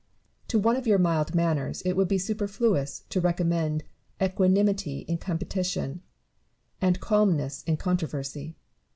To one of your mild manners, it would be superfluous to recommend equanimity in competition, and calmness in controversy.